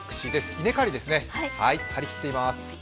稲刈りですね、張りきっています。